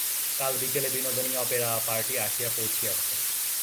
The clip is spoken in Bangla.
কাল বিকেলে বিনোদিনী অপেরা পার্টি আসিয়া পৌঁছিয়াছে।